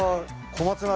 小松菜？